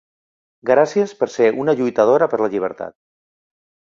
Gràcies per ser una lluitadora per la llibertat.